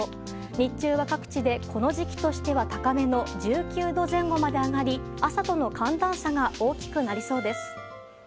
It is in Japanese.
日中は各地でこの時期としては高めの１９度前後まで上がり朝との寒暖差が大きくなりそうです。